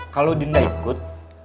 kalau dinda ikut